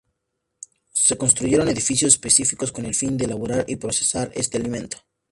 Se construyeron edificios específicos con el fin de elaborar y procesar este alimento.